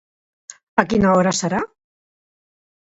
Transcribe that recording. A quina hora serà?